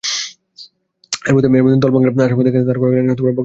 এর মধ্যে দল ভাঙার আশঙ্কা থেকে তাঁর কয়েক লাইনের বক্তব্যটি অত্যন্ত গুরুত্বপূর্ণ।